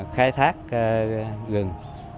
khai thác rừng